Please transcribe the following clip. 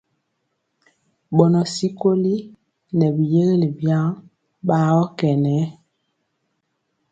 Bɔnɔ tyikoli nɛ bi yégelé biaŋg bagɔ kɛ nɛ.